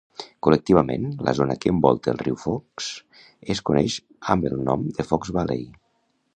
Col·lectivament, la zona que envolta el riu Fox es coneix amb el nom de Fox Valley.